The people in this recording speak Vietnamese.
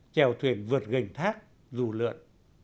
chèo thuyền vượt gành thác dù lượn